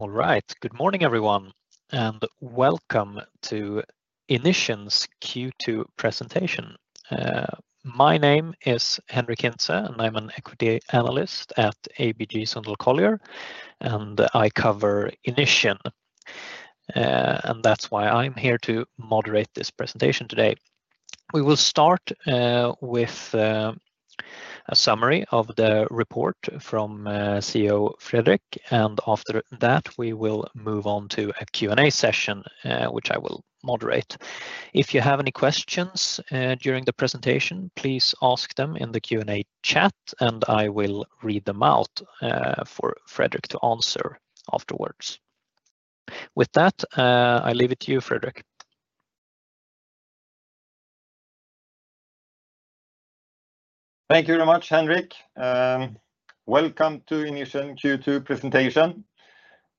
All right. Good morning, everyone, and welcome to Inission's Q2 presentation. My name is Henric Hintze, and I'm an equity analyst at ABG Sundal Collier, and I cover Inission, and that's why I'm here to moderate this presentation today. We will start with a summary of the report from CEO Fredrik, and after that, we will move on to a Q&A session, which I will moderate. If you have any questions during the presentation, please ask them in the Q&A chat, and I will read them out for Fredrik to answer afterwards. With that, I leave it to you, Fredrik. Thank you very much, Henric. Welcome to Inission Q2 presentation.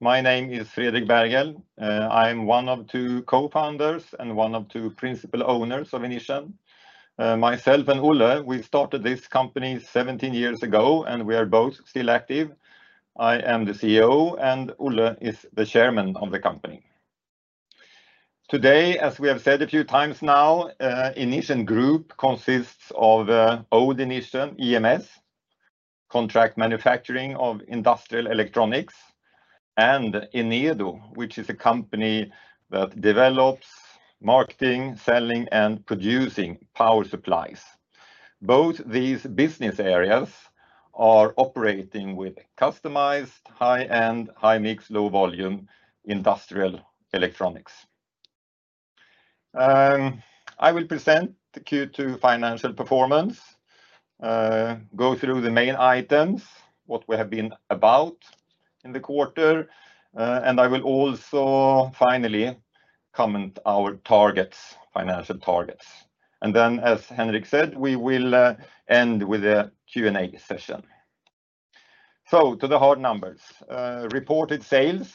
My name is Fredrik Berghel. I'm one of two co-founders and one of two principal owners of Inission. Myself and Olle, we started this company seventeen years ago, and we are both still active. I am the CEO, and Olle is the Chairman of the company. Today, as we have said a few times now, Inission Group consists of old Inission EMS, contract manufacturing of industrial electronics, and Enedo, which is a company that develops, markets, sells, and produces power supplies. Both these business areas are operating with customized high-end, high-mix, low-volume industrial electronics. I will present the Q2 financial performance, go through the main items, what we have been about in the quarter, and I will also finally comment our targets, financial targets. Then, as Henric said, we will end with a Q&A session. To the hard numbers. Reported sales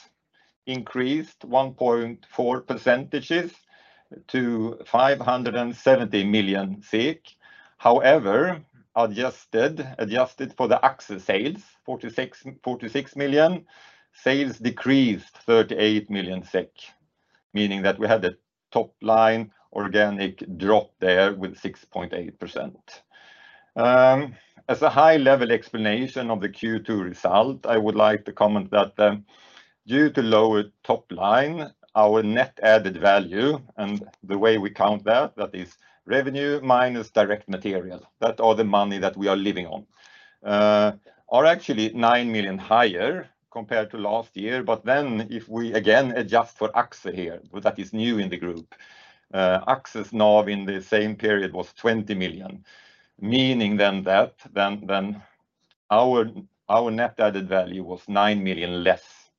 increased 1.4% to SEK 570 million. However, adjusted for the AXXE sales, 46 million, sales decreased 38 million SEK, meaning that we had a top line organic drop there with 6.8%. As a high-level explanation of the Q2 result, I would like to comment that, due to lower top line, our net added value and the way we count that, that is revenue minus direct material, that are the money that we are living on, are actually 9 million higher compared to last year. Then, if we again adjust for AXXE here, that is new in the group, AXXE's NAV in the same period was 20 million, meaning then that our net added value was 9 million less.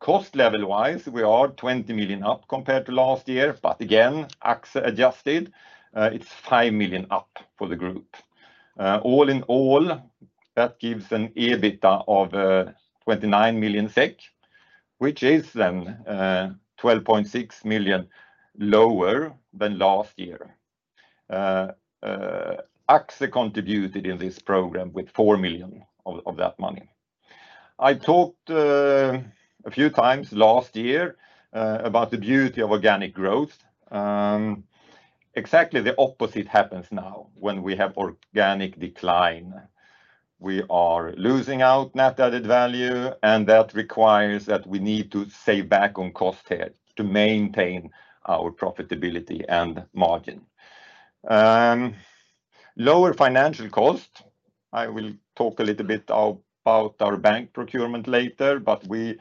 Cost-level wise, we are 20 million up compared to last year, but again, AXXE adjusted, it's 5 million up for the group. All in all, that gives an EBITDA of 29 million SEK, which is then 12.6 million lower than last year. AXXE contributed in this period with 4 million of that money. I talked a few times last year about the beauty of organic growth. Exactly the opposite happens now when we have organic decline. We are losing out net added value, and that requires that we need to save back on cost here to maintain our profitability and margin. Lower financial cost, I will talk a little bit about our bank procurement later, but we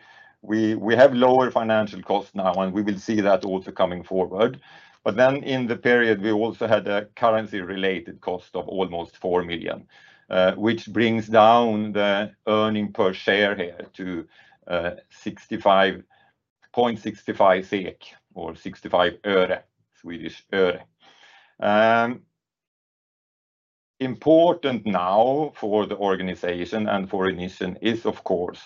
have lower financial costs now, and we will see that also coming forward, but then in the period, we also had a currency-related cost of almost four million, which brings down the earning per share here to 0.65 SEK or 65 öre, Swedish öre. Important now for the organization and for Inission is, of course,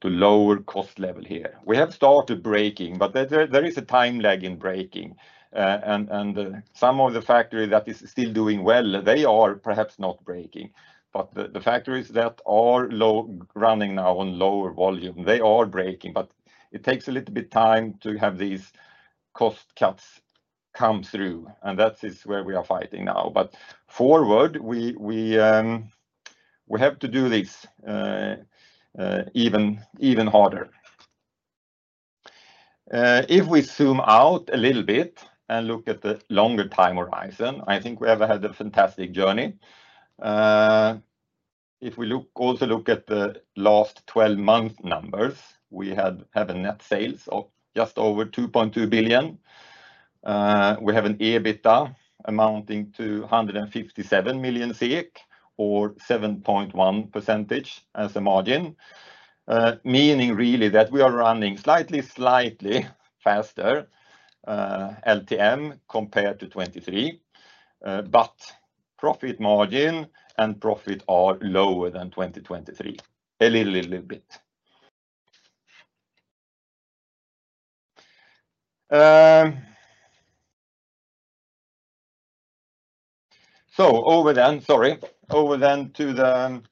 to lower cost level here. We have started breaking, but there is a time lag in breaking. And some of the factory that is still doing well, they are perhaps not breaking, but the factories that are low-running now on lower volume, they are breaking, but it takes a little bit time to have these cost cuts come through, and that is where we are fighting now. But forward, we have to do this even harder. If we zoom out a little bit and look at the longer time horizon, I think we have had a fantastic journey. If we look also at the last 12-month numbers, we have net sales of just over 2.2 billion. We have an EBITDA amounting to 157 million SEK or 7.1% as a margin, meaning really that we are running slightly faster LTM compared to 2023. But profit margin and profit are lower than 2023, a little bit. So over then to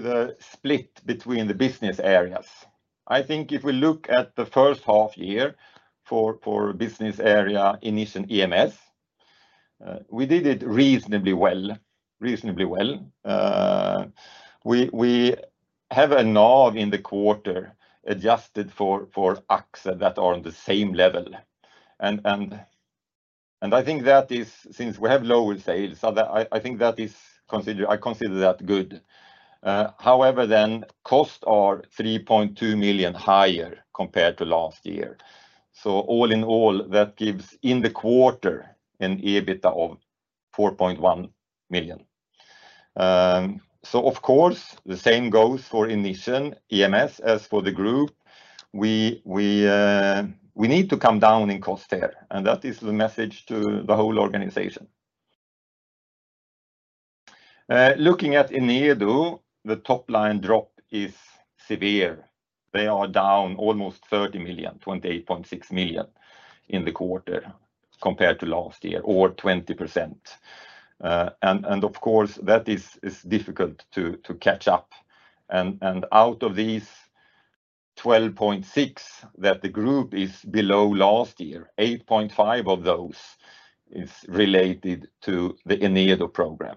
the split between the business areas. I think if we look at the first half year for business area Inission EMS, we did it reasonably well. We have a NAV in the quarter adjusted for AXXE that are on the same level. And I think that is, since we have lower sales, so that I think that is I consider that good. However, costs are 3.2 million higher compared to last year. So all in all, that gives, in the quarter, an EBITDA of 4.1 million. So of course, the same goes for Inission EMS as for the group. We need to come down in cost there, and that is the message to the whole organization. Looking at Enedo, the top line drop is severe. They are down almost 30 million, 28.6 million in the quarter compared to last year, or 20%. And of course, that is difficult to catch up, and out of these 12.6 that the group is below last year, 8.5 of those is related to the Enedo program.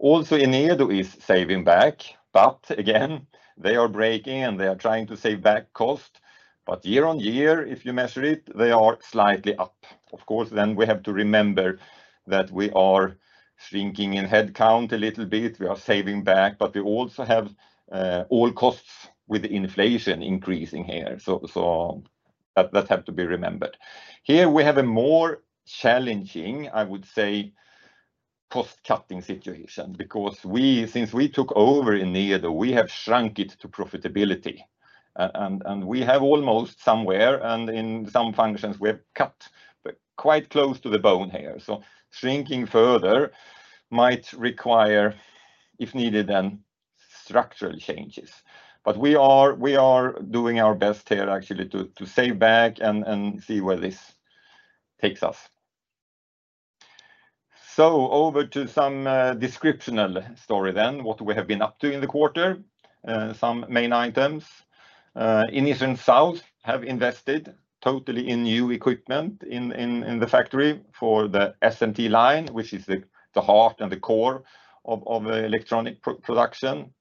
Also, Enedo is saving back, but again, they are breaking, and they are trying to save back cost. But year on year, if you measure it, they are slightly up. Of course, then we have to remember that we are shrinking in head count a little bit. We are saving back, but we also have all costs with inflation increasing here, so that have to be remembered. Here we have a more challenging, I would say, cost-cutting situation, because since we took over Enedo, we have shrunk it to profitability. And we have almost somewhere, and in some functions we have cut quite close to the bone here, so shrinking further might require, if needed, then structural changes. But we are doing our best here actually to save back and see where this takes us. Over to some descriptive story then, what we have been up to in the quarter, some main items. Inission South have invested totally in new equipment in the factory for the SMT line, which is the heart and the core of electronic production.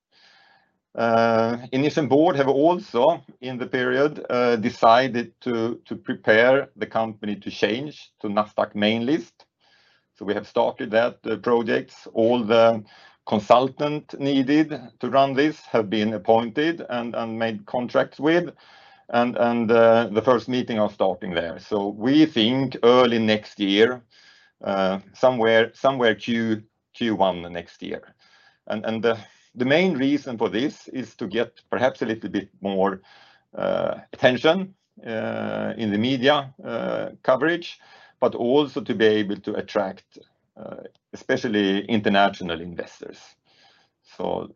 Inission board have also, in the period, decided to prepare the company to change to Nasdaq main list, so we have started that project. All the consultant needed to run this have been appointed and made contracts with, and the first meeting are starting there. We think early next year, somewhere Q1 next year. The main reason for this is to get perhaps a little bit more attention in the media coverage, but also to be able to attract especially international investors.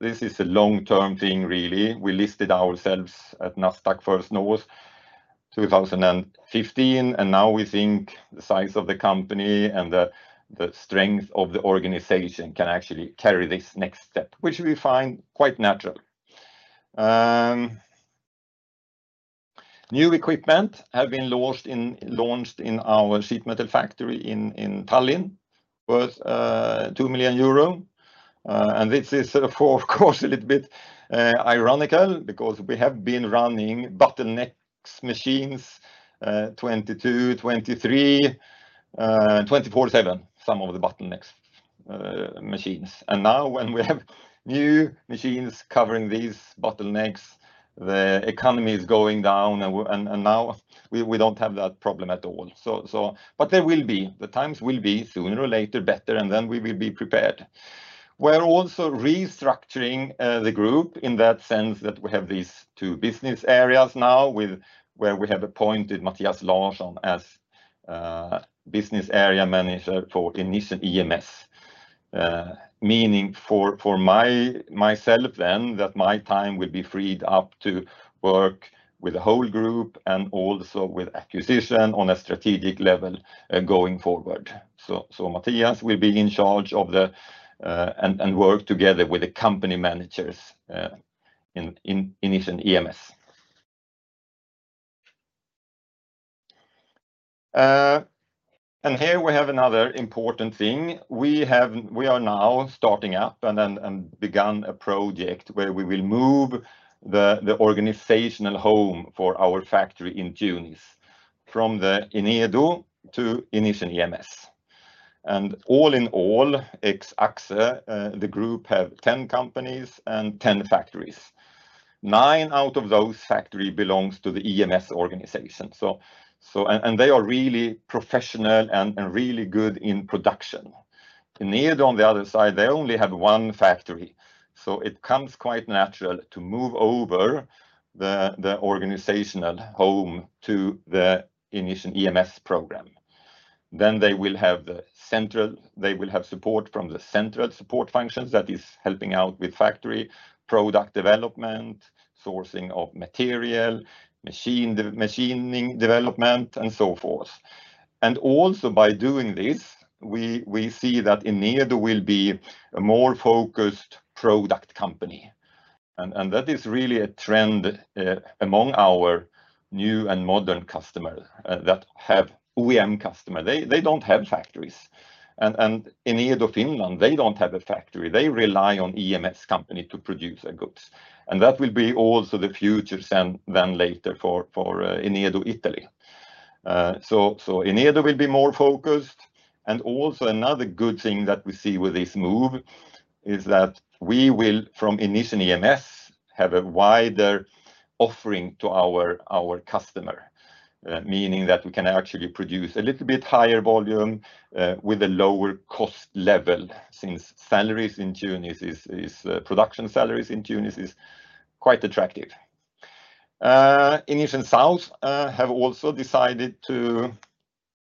This is a long-term thing, really. We listed ourselves at Nasdaq First North in 2015, and now we think the size of the company and the strength of the organization can actually carry this next step, which we find quite natural. New equipment has been launched in our sheet metal factory in Tallinn, worth 2 million euro. And this is of course a little bit ironical, because we have been running bottleneck machines twenty-two, twenty-three, twenty-four seven, some of the bottleneck machines. And now when we have new machines covering these bottlenecks, the economy is going down, and now we don't have that problem at all. So. But there will be, the times will be, sooner or later, better, and then we will be prepared. We're also restructuring the group in that sense that we have these two business areas now where we have appointed Mathias Larsson as business area manager for Inission EMS. Meaning for myself then, that my time will be freed up to work with the whole group and also with acquisition on a strategic level going forward. Mathias will be in charge of the and work together with the company managers in Inission EMS. And here we have another important thing. We are now starting up and begun a project where we will move the organizational home for our factory in Tunis from the Enedo to Inission EMS. And all in all, ex AXXE, the group have 10 companies and 10 factories. Nine out of those factories belong to the EMS organization, and they are really professional and really good in production. Enedo, on the other side, they only have one factory, so it comes quite natural to move over the organizational home to the Inission EMS program. Then they will have the central, they will have support from the central support functions that is helping out with factory product development, sourcing of material, machine machining development, and so forth. And also by doing this, we see that Enedo will be a more focused product company, and that is really a trend among our new and modern customer that have OEM customer. They don't have factories, and Enedo Finland, they don't have a factory. They rely on EMS company to produce their goods, and that will be also the future then later for Enedo Italy. So Enedo will be more focused, and also another good thing that we see with this move is that we will, from Inission EMS, have a wider offering to our customer, meaning that we can actually produce a little bit higher volume with a lower cost level, since salaries in Tunis is production salaries in Tunis is quite attractive. Inission South have also decided to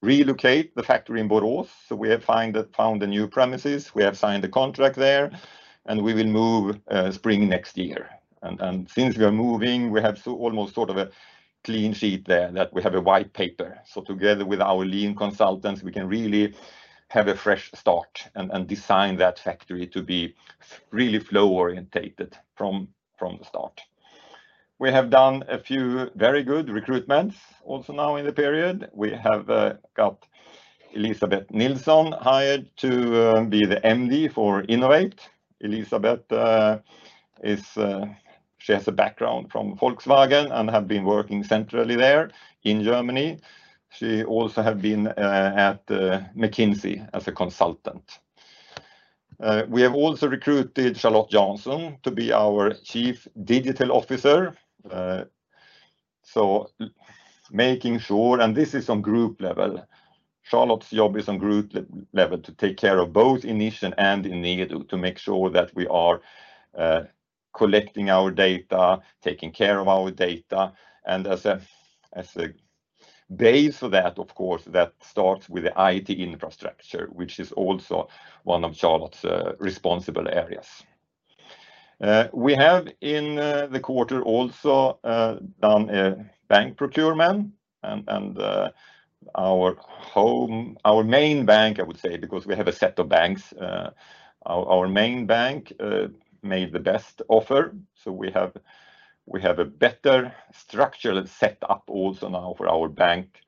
relocate the factory in Borås, so we have found a new premises. We have signed a contract there, and we will move spring next year. And since we are moving, we have almost sort of a clean sheet there, that we have a white paper. So together with our lean consultants, we can really have a fresh start and design that factory to be really flow-orientated from the start. We have done a few very good recruitments also now in the period. We have got Elisabeth Nilsson hired to be the MD for Innovate. Elisabeth is she has a background from Volkswagen and have been working centrally there in Germany. She also have been at McKinsey as a consultant. We have also recruited Charlotte Jansson to be our Chief Digital Officer. So making sure, and this is on group level, Charlotte's job is on group level, to take care of both Inission and Enedo, to make sure that we are collecting our data, taking care of our data, and as a base for that, of course, that starts with the IT infrastructure, which is also one of Charlotte's responsible areas. We have in the quarter also done a bank procurement and our main bank, I would say, because we have a set of banks, our main bank made the best offer, so we have a better structure set up also now for our bank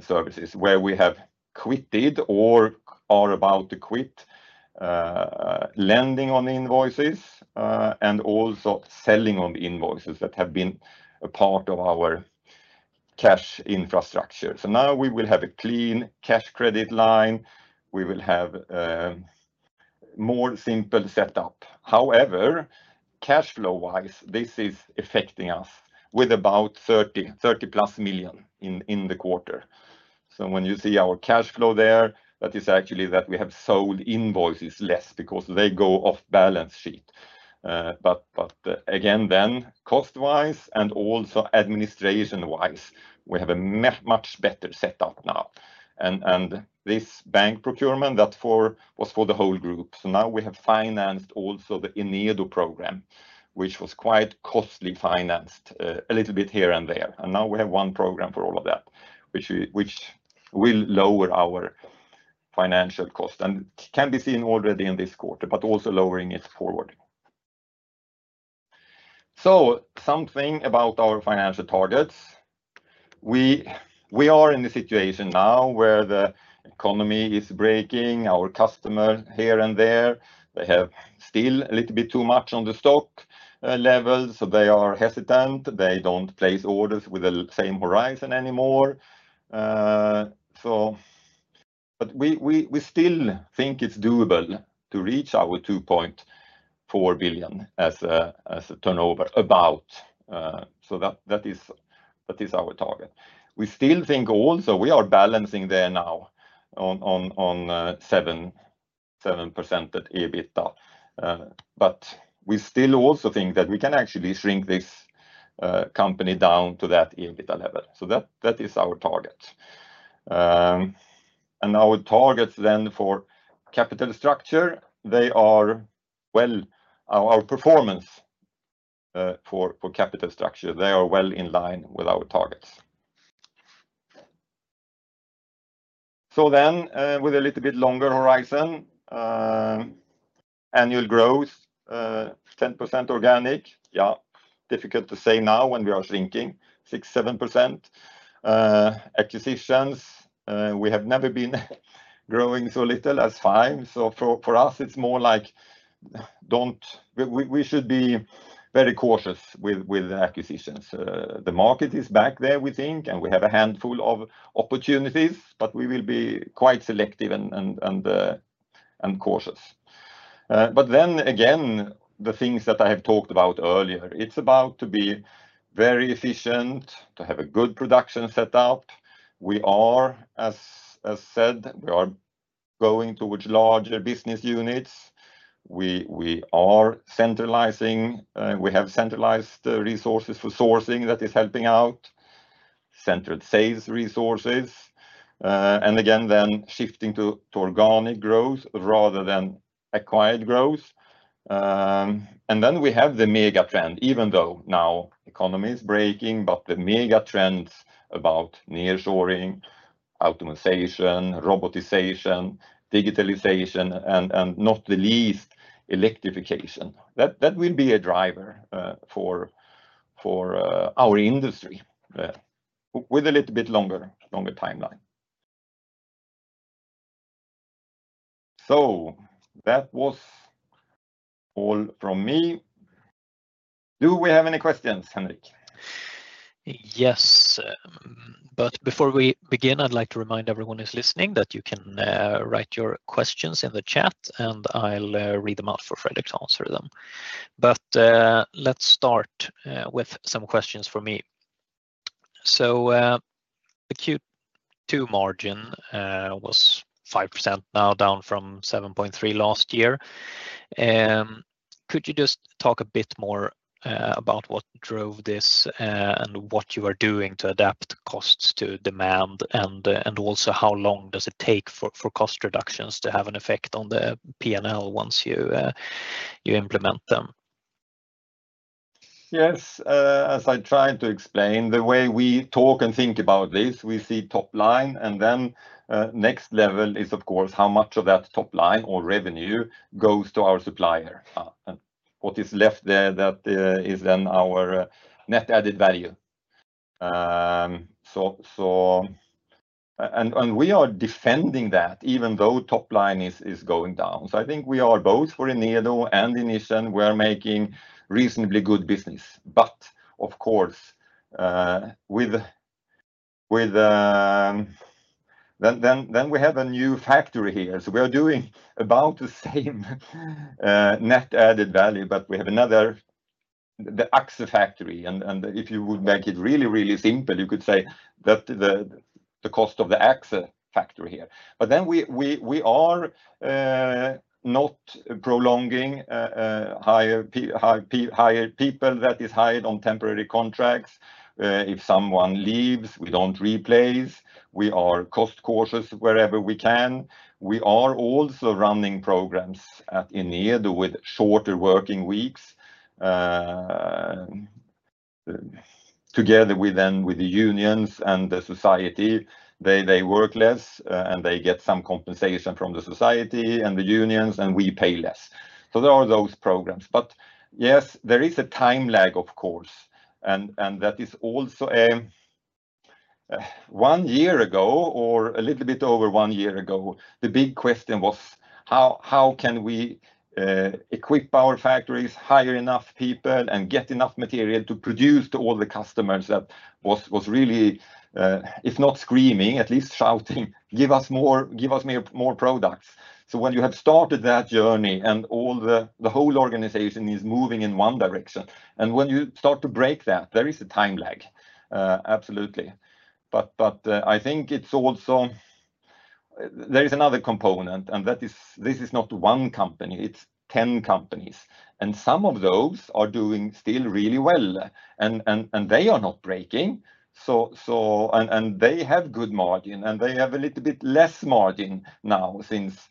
services, where we have quitted or are about to quit lending on invoices and also selling on invoices that have been a part of our cash infrastructure. So now we will have a clean cash credit line. We will have more simple setup. However, cash flow-wise, this is affecting us with about 30+ million in the quarter. So when you see our cash flow there, that is actually we have sold invoices less because they go off balance sheet. But again, then cost-wise, and also administration-wise, we have a much better setup now. This bank procurement was for the whole group. So now we have financed also the Enedo program, which was quite costly financed, a little bit here and there, and now we have one program for all of that, which will lower our financial cost and can be seen already in this quarter, but also lowering it forward. Something about our financial targets. We are in the situation now where the economy is breaking our customer here and there. They have still a little bit too much on the stock level, so they are hesitant. They don't place orders with the same horizon anymore. So but we still think it's doable to reach our 2.4 billion as a turnover, about. So that is our target. We still think also we are balancing there now on 7% at EBITDA. But we still also think that we can actually shrink this company down to that EBITDA level. So that is our target. And our targets then for capital structure, they are, well, our performance for capital structure, they are well in line with our targets. So then, with a little bit longer horizon, annual growth 10% organic. Yeah, difficult to say now when we are shrinking 6%-7%. Acquisitions, we have never been growing so little as 5%, so for us, it's more like don't... We should be very cautious with acquisitions. The market is back there, we think, and we have a handful of opportunities, but we will be quite selective and cautious. But then again, the things that I have talked about earlier, it's about to be very efficient, to have a good production set up. We are, as said, going towards larger business units. We are centralizing, we have centralized resources for sourcing that is helping out, centered sales resources. And again, then shifting to organic growth rather than acquired growth. And then we have the mega trend, even though now economy is breaking, but the mega trends about nearshoring, optimization, robotization, digitalization, and not the least, electrification. That will be a driver for our industry with a little bit longer timeline. So that was all from me. Do we have any questions, Henric? Yes. But before we begin, I'd like to remind everyone who's listening that you can write your questions in the chat, and I'll read them out for Fredrik to answer them. But let's start with some questions for me. The Q2 margin was 5% now, down from 7.3% last year. Could you just talk a bit more about what drove this and what you are doing to adapt costs to demand? And also how long does it take for cost reductions to have an effect on the P&L once you implement them? Yes. As I tried to explain, the way we talk and think about this, we see top line, and then next level is, of course, how much of that top line or revenue goes to our supplier. And what is left there, that is then our net added value. And we are defending that even though top line is going down. So I think we are both for Enedo and Inission, we are making reasonably good business. But, of course, with... Then we have a new factory here, so we are doing about the same net added value, but we have another, the AXXE factory. And if you would make it really, really simple, you could say that the cost of the AXXE factory here. But then we are not prolonging hire people that are hired on temporary contracts. If someone leaves, we don't replace. We are cost cautious wherever we can. We are also running programs at Enedo with shorter working weeks, together with them, with the unions and the society. They work less, and they get some compensation from the society and the unions, and we pay less. So there are those programs. But yes, there is a time lag, of course, and that is also one year ago or a little bit over one year ago, the big question was how can we equip our factories, hire enough people, and get enough material to produce to all the customers? That was really, if not screaming, at least shouting, "Give us more, give us more, more products." So when you have started that journey and all the whole organization is moving in one direction, and when you start to break that, there is a time lag, absolutely. But I think it's also... There is another component, and that is, this is not one company, it's ten companies, and some of those are doing still really well, and they are not breaking. So, and they have good margin, and they have a little bit less margin now, since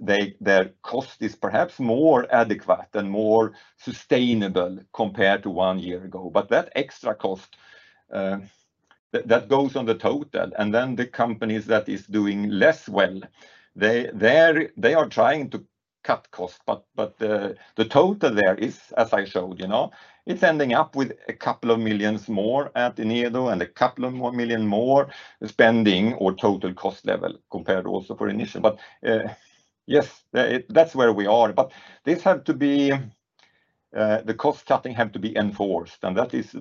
their cost is perhaps more adequate and more sustainable compared to one year ago. But that extra cost, that goes on the total, and then the companies that is doing less well, they are trying to cut costs, but the total there is, as I showed, you know, it's ending up with a couple of millions more at Enedo, and a couple of million more spending or total cost level compared also for Inission. But, yes, that's where we are. But this have to be, the cost cutting have to be enforced, and that is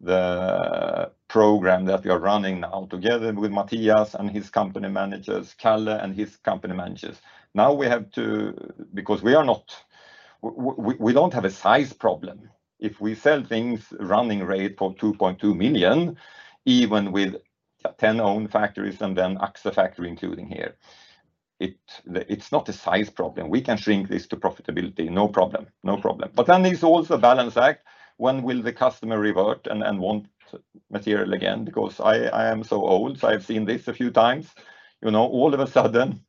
the program that we are running now together with Mathias and his company managers, Kalle and his company managers. Now we have to... Because we are not. We, we don't have a size problem. If we sell things running rate for 2.2 million, even with ten own factories and then AXXE factory including here, it, the, it's not a size problem. We can shrink this to profitability, no problem. No problem. But then there's also a balance act. When will the customer revert and, and want material again? Because I, I am so old, so I've seen this a few times. You know, all of a sudden,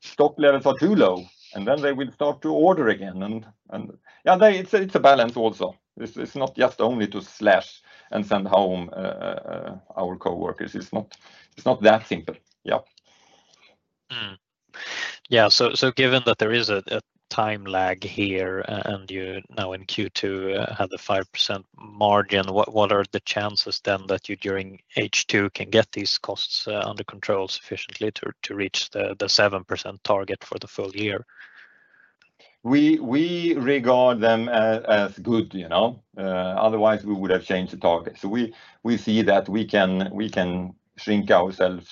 stock levels are too low, and then they will start to order again. And, and, yeah, they- it's, it's a balance also. It's, it's not just only to slash and send home, our coworkers. It's not, it's not that simple. Yeah. Yeah, so given that there is a time lag here, and you now in Q2 have the 5% margin, what are the chances then that you during H2 can get these costs under control sufficiently to reach the 7% target for the full year? We regard them as good, you know? Otherwise we would have changed the target. So we see that we can shrink ourselves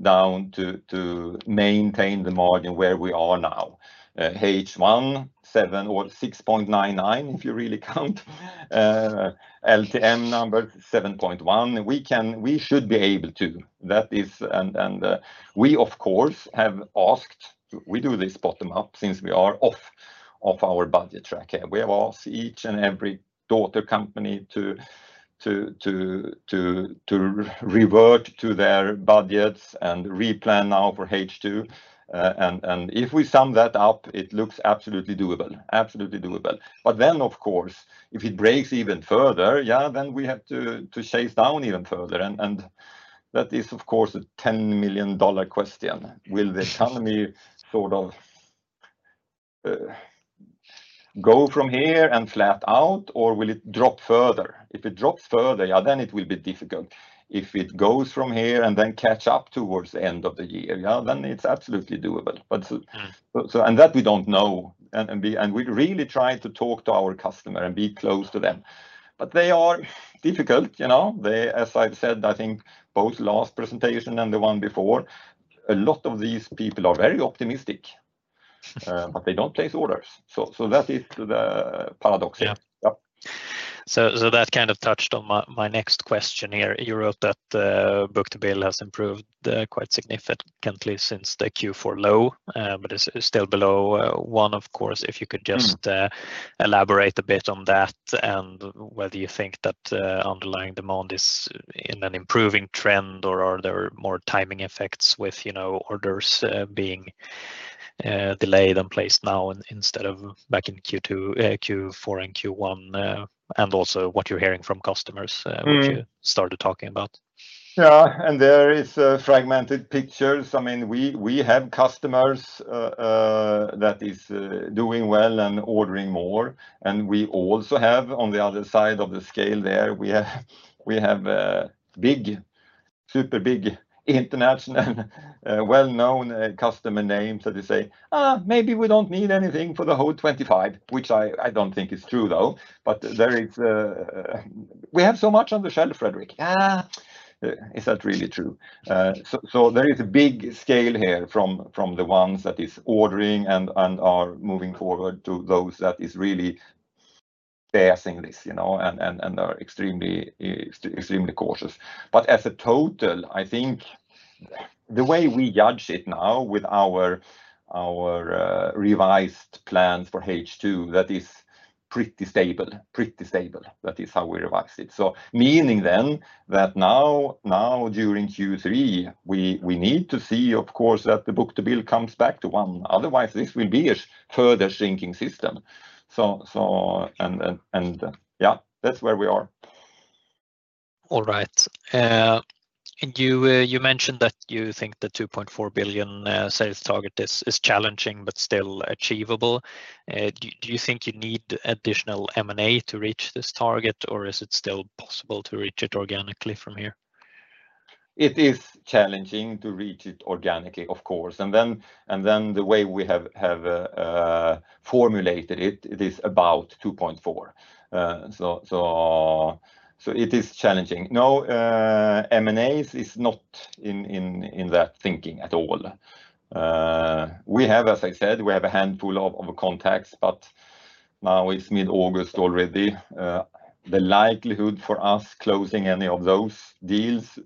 down to maintain the margin where we are now. H1, 7 or 6.99, if you really count. LTM number, 7.1. We can, we should be able to. That is. Of course, we have asked. We do this bottom up, since we are off our budget track here. We have asked each and every daughter company to revert to their budgets and replan now for H2. If we sum that up, it looks absolutely doable. Absolutely doable. But then, of course, if it breaks even further, yeah, then we have to chase down even further, and that is, of course, a $10 million question. Will the economy sort of go from here and flat out, or will it drop further? If it drops further, yeah, then it will be difficult. If it goes from here and then catch up towards the end of the year, yeah, then it's absolutely doable. But so- Mm. So, and that we don't know, and we really try to talk to our customer and be close to them, but they are difficult, you know? They, as I've said, I think both last presentation and the one before, a lot of these people are very optimistic, but they don't place orders. So that is the paradox here. Yeah. Yeah. So that kind of touched on my next question here. You wrote that book-to-bill has improved quite significantly since the Q4 low, but is still below one, of course. Mm. If you could just elaborate a bit on that, and whether you think that underlying demand is in an improving trend, or are there more timing effects with, you know, orders being delayed and placed now instead of back in Q2, Q4 and Q1, and also what you're hearing from customers? Mm... which you started talking about? Yeah, and there is a fragmented picture. I mean, we have customers that is doing well and ordering more, and we also have, on the other side of the scale there, we have big, super big, international, well-known customer names that they say, "Maybe we don't need anything for the whole 2025," which I don't think is true, though. But there is... "We have so much on the shelf, Fredrik." Is that really true? So, there is a big scale here from the ones that is ordering and are moving forward to those that is really facing this, you know, and are extremely cautious. But as a total, I think the way we judge it now with our revised plans for H2, that is pretty stable. Pretty stable. That is how we revise it. So meaning then, that now during Q3, we need to see, of course, that the book-to-bill comes back to one. Otherwise, this will be a further shrinking system. So, yeah, that's where we are. All right, and you mentioned that you think the 2.4 billion sales target is challenging but still achievable. Do you think you need additional M&A to reach this target, or is it still possible to reach it organically from here? It is challenging to reach it organically, of course, and then the way we have formulated it, it is about two point four. So it is challenging. No, M&A is not in that thinking at all. We have, as I said, a handful of contacts, but now it's mid-August already. The likelihood for us closing any of those deals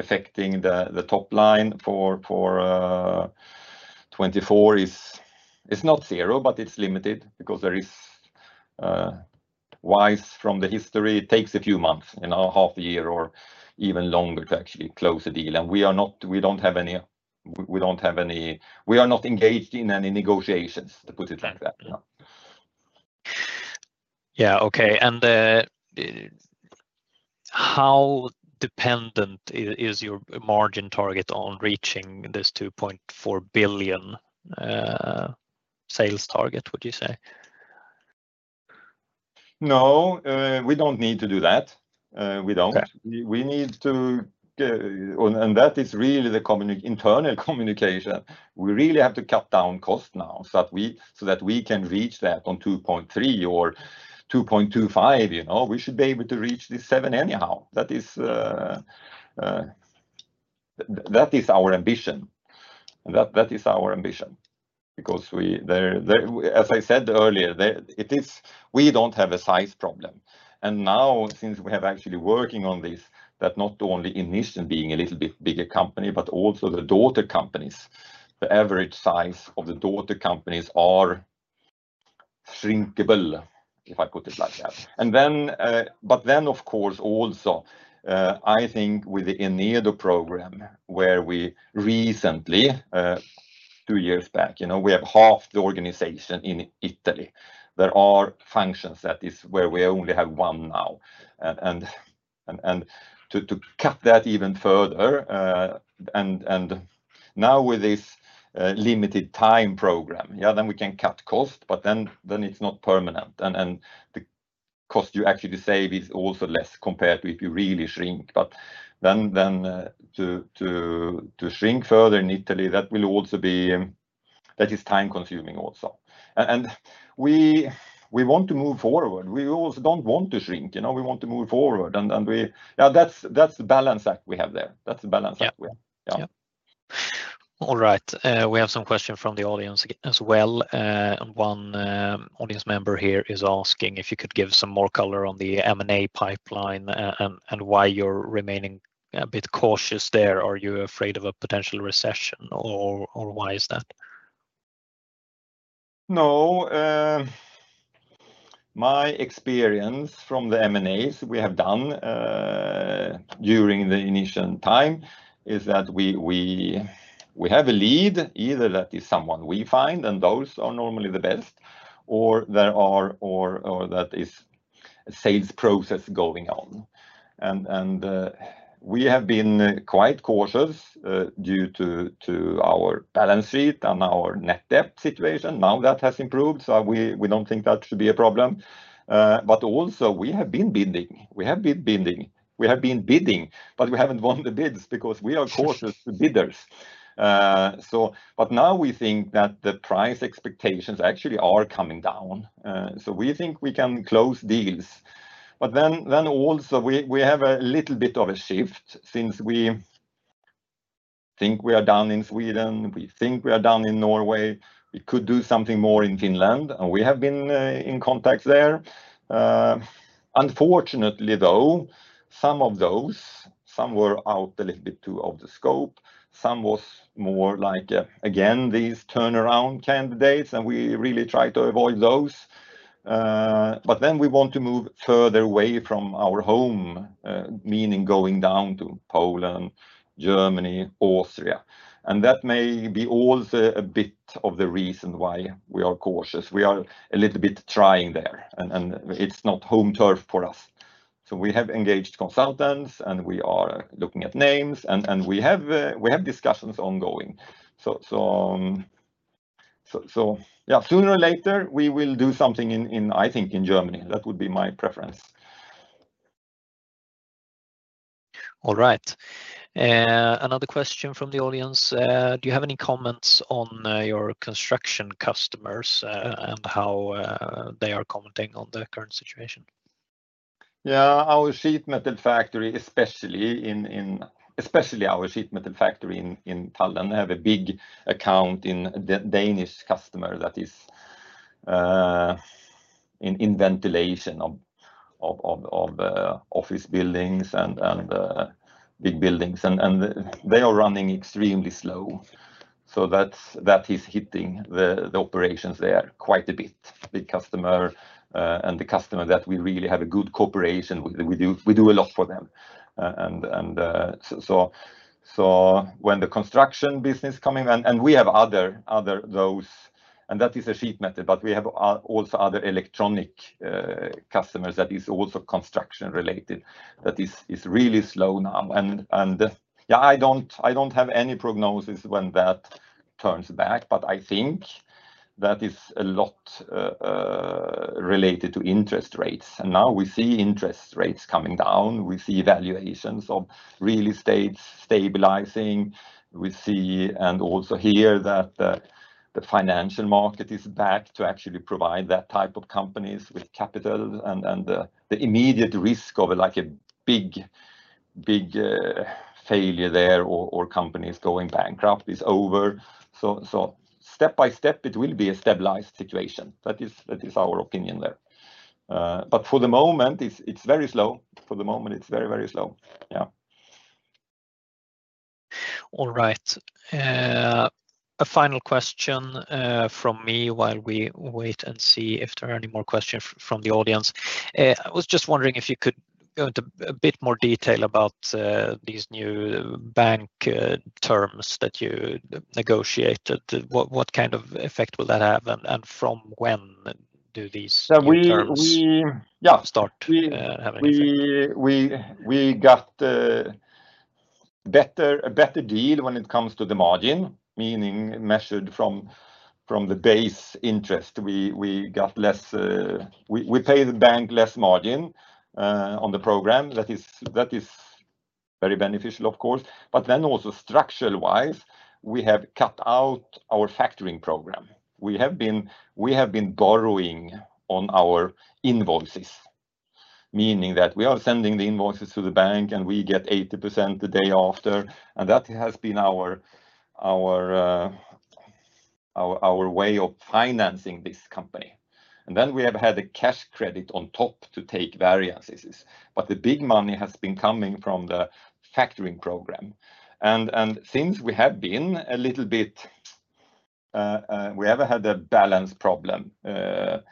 affecting the top line for 2024 is. It's not zero, but it's limited because there is wisdom from the history. It takes a few months, you know, half a year or even longer to actually close a deal, and we don't have any. We are not engaged in any negotiations, to put it like that, you know. Yeah, okay. And, how dependent is your margin target on reaching this 2.4 billion sales target, would you say? No, we don't need to do that. We don't. Okay. We need to, and that is really the internal communication. We really have to cut down cost now, so that we can reach that on two point three or two point two five. You know, we should be able to reach this seven anyhow. That is that is our ambition. That is our ambition. Because, as I said earlier, it is we don't have a size problem, and now, since we have actually working on this, that not only in this and being a little bit bigger company, but also the daughter companies, the average size of the daughter companies are shrinkable, if I put it like that. Mm. Of course, also, I think with the Enedo program, where we recently, two years back, you know, we have half the organization in Italy. There are functions that is where we only have one now, and to cut that even further, and now with this limited time program, yeah, then we can cut cost, but then it's not permanent, and the cost you actually save is also less, compared to if you really shrink. To shrink further in Italy, that will also be. That is time-consuming also. We want to move forward. We also don't want to shrink, you know? We want to move forward, and we. Now, that's the balance that we have there. That's the balance that we have. Yeah. Yeah. All right, we have some question from the audience as well. And one audience member here is asking if you could give some more color on the M&A pipeline, and why you're remaining a bit cautious there. Are you afraid of a potential recession, or why is that?... No, my experience from the M&As we have done during the initial time is that we have a lead, either that is someone we find, and those are normally the best, or that is a sales process going on. We have been quite cautious due to our balance sheet and our net debt situation. Now that has improved, so we don't think that should be a problem. But also we have been bidding, but we haven't won the bids because we are cautious bidders. So but now we think that the price expectations actually are coming down. So we think we can close deals. But then also we have a little bit of a shift since we think we are down in Sweden, we think we are down in Norway. We could do something more in Finland, and we have been in contact there. Unfortunately, though, some of those, some were out a little bit, too, of the scope. Some was more like, again, these turnaround candidates, and we really try to avoid those. But then we want to move further away from our home, meaning going down to Poland, Germany, Austria, and that may be also a bit of the reason why we are cautious. We are a little bit trying there, and it's not home turf for us, so we have engaged consultants, and we are looking at names, and we have discussions ongoing. Yeah, sooner or later, we will do something in, I think, in Germany. That would be my preference. All right. Another question from the audience, "Do you have any comments on your construction customers, and how they are commenting on the current situation? Yeah, our sheet metal factory, especially our sheet metal factory in Tallinn, has a big account with the Danish customer that is in ventilation of office buildings and big buildings. And they are running extremely slow, so that is hitting the operations there quite a bit. The customer and the customer that we really have a good cooperation with, we do a lot for them. So when the construction business coming... And we have other those, and that is a sheet metal, but we have also other electronic customers that is also construction-related. That is really slow now. Yeah, I don't have any prognosis when that turns back, but I think that is a lot related to interest rates, and now we see interest rates coming down. We see valuations of real estate stabilizing. We see and also hear that the financial market is back to actually provide that type of companies with capital, and the immediate risk of, like, a big, big failure there or companies going bankrupt is over, so step by step, it will be a stabilized situation. That is our opinion there, but for the moment, it's very slow. For the moment, it's very, very slow. Yeah. All right. A final question from me, while we wait and see if there are any more questions from the audience. I was just wondering if you could go into a bit more detail about these new bank terms that you negotiated. What kind of effect will that have, and from when do these new terms- Uh, we, we- Yeah, start having effect? We got a better deal when it comes to the margin, meaning measured from the base interest. We got less. We pay the bank less margin on the program. That is very beneficial, of course. But then also structural-wise, we have cut out our factoring program. We have been borrowing on our invoices, meaning that we are sending the invoices to the bank, and we get 80% the day after, and that has been our way of financing this company. And then we have had a cash credit on top to take variances, but the big money has been coming from the factoring program. Since we have been a little bit, we never had a balance problem, net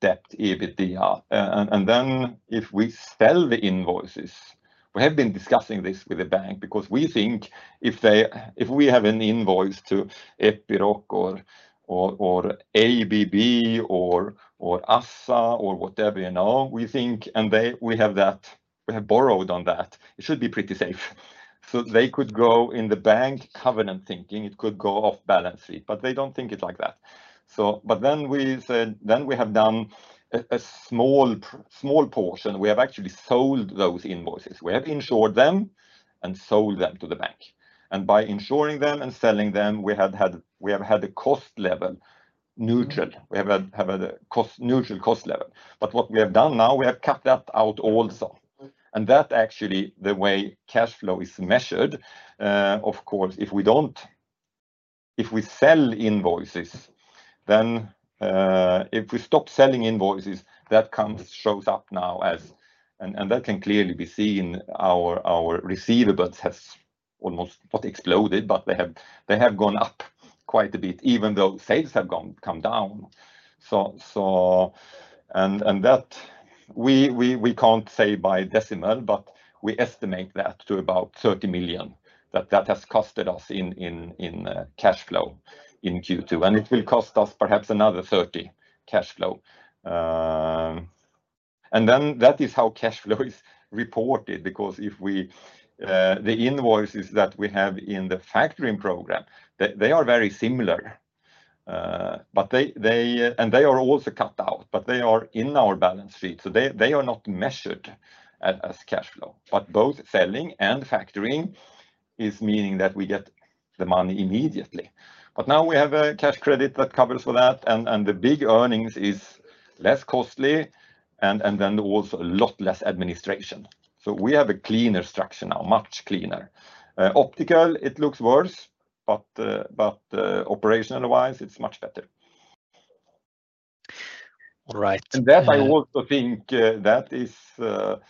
debt, EBITDA, and then if we sell the invoices, we have been discussing this with the bank because we think if we have an invoice to Epiroc or ABB or ASSA or whatever, you know, we think. And they, we have that, we have borrowed on that, it should be pretty safe. So they could go in the bank covenant thinking it could go off balance sheet, but they don't think it like that. So but then we said, then we have done a small portion. We have actually sold those invoices. We have insured them and sold them to the bank. And by insuring them and selling them, we have had a cost level neutral. We have a cost-neutral cost level. But what we have done now, we have cut that out also, and that actually, the way cash flow is measured, of course, if we don't sell invoices, then, if we stop selling invoices, that comes, shows up now as... And that can clearly be seen our receivables has almost, not exploded, but they have gone up quite a bit, even though sales have come down. So and that we can't say by decimal, but we estimate that to about 30 million, that has costed us in cash flow in Q2, and it will cost us perhaps another 30 million in cash flow. And then that is how cash flow is reported, because the invoices that we have in the factoring program, they are very similar. But they are also cut out, but they are in our balance sheet, so they are not measured as cash flow. But both selling and factoring is meaning that we get the money immediately. But now we have a cash credit that covers for that, and the big earnings is less costly, and then also a lot less administration. So we have a cleaner structure now, much cleaner. Optical, it looks worse, but operational-wise, it's much better. All right. That I also think that is. The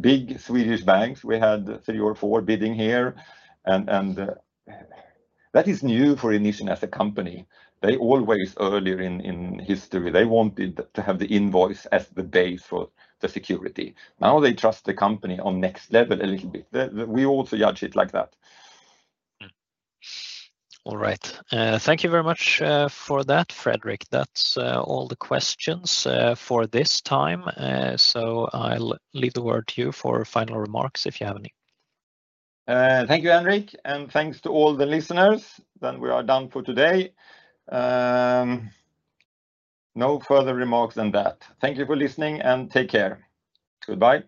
big Swedish banks, we had three or four bidding here, and that is new for Inission as a company. They always, earlier in history, they wanted to have the invoice as the base for the security. Now they trust the company on next level a little bit. We also judge it like that. Mm. All right. Thank you very much for that, Fredrik. That's all the questions for this time, so I'll leave the word to you for final remarks, if you have any. Thank you, Henric, and thanks to all the listeners. Then we are done for today. No further remarks than that. Thank you for listening, and take care. Goodbye.